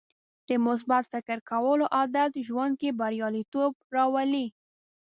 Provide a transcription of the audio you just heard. د مثبت فکر کولو عادت ژوند کې بریالیتوب راولي.